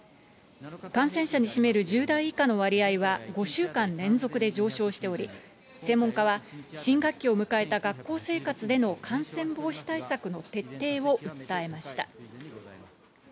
感染者に占める１０代以下の割合は５週間連続で上昇しており、専門家は新学期を迎えた学校生活での感染防止対策の徹底を訴えました。